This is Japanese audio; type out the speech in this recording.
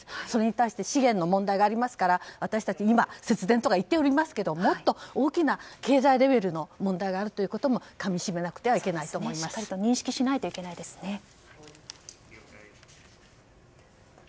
それに対して資源の問題がありますから節電とか言っておりますけれどももっと大きな経済レベルの問題があることもかみしめなくてはしっかりと認識しないといけないですね。